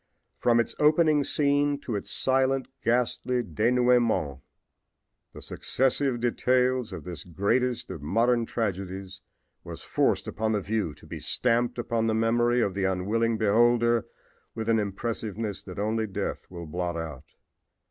From its opening scene to its silent, ghastly denouement the successive details of this greatest of modern tragedies was forced upon the view to be stamped upon the memory of the unwilling beholder with an impressiveness that only death will blot out.